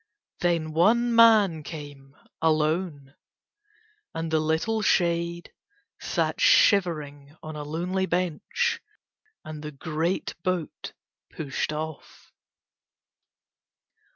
Then one man came alone. And the little shade sat shivering on a lonely bench and the great boat pushed off.